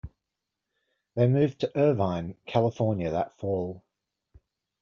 They moved to Irvine, California that fall.